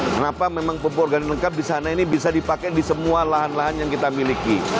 kenapa memang pupuk organ lengkap di sana ini bisa dipakai di semua lahan lahan yang kita miliki